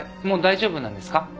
もう大丈夫なんですか？